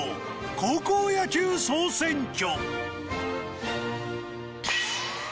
高校野球総選挙。